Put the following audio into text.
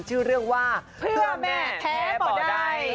ชื่อเรื่องว่าเพื่อแม่แท้ก็ได้